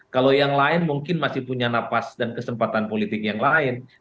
kalau yang lain mungkin masih punya nafas dan kesempatan politik yang lain